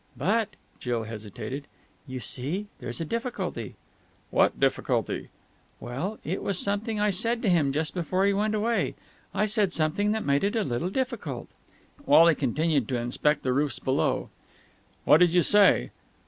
"But...." Jill hesitated. "You see, there's a difficulty." "What difficulty?" "Well ... it was something I said to him just before he went away. I said something that made it a little difficult." Wally continued to inspect the roofs below. "What did you say?"